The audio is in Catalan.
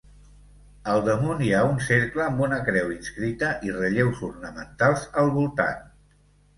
Al damunt hi ha un cercle amb una creu inscrita i relleus ornamentals al voltant.